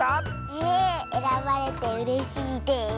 ええらばれてうれしいです。